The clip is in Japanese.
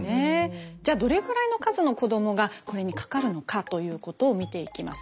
じゃあどれぐらいの数の子どもがこれにかかるのかということを見ていきます。